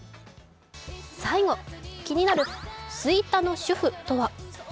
最後、気になる吹田の主婦とは？